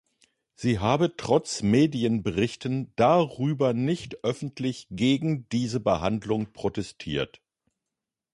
Sie habe trotz Medienberichten darüber nicht öffentlich gegen diese Behandlung protestiert.